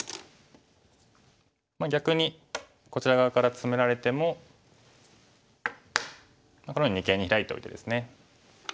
逆にこちら側からツメられてもこのように二間にヒラいておいてですね。